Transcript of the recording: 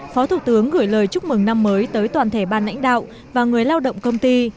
phó thủ tướng gửi lời chúc mừng năm mới tới toàn thể ban lãnh đạo và người lao động công ty